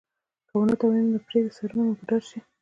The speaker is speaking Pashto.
که ونه توانیدو نو پریږده سرونه مو په دار شي.